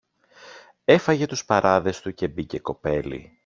Έφαγε τους παράδες του και μπήκε κοπέλι